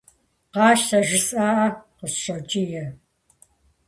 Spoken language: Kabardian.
«Къащтэ жысӀакъэ!» - къысщӀокӀие.